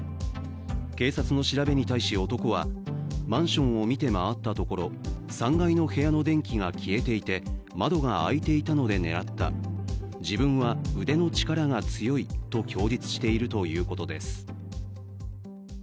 警察の調べに対し男はマンションを見て回ったところ３階の部屋の電気が消えていて窓が開いていたので狙った、自分は腕の力が強いと供述しているということです。